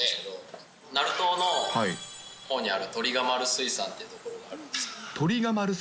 鳴門のほうにある鳥ヶ丸水産っていうところがあるんですけど。